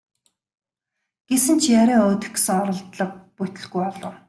Гэсэн ч яриа өдөх гэсэн оролдлого бүтэлгүй болов.